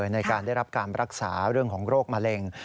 ในการได้รับการรักษาเรื่องของโรคมะเร็ง